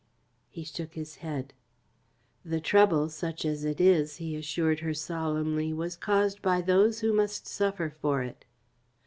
He shook his head. "The trouble, such as it is," he assured her solemnly, "was caused by those who must suffer for it."